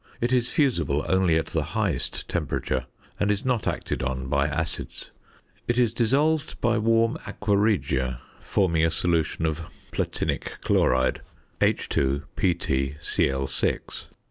It is fusible only at the highest temperature, and is not acted on by acids. It is dissolved by warm aqua regia, forming a solution of "platinic chloride," H_PtCl_.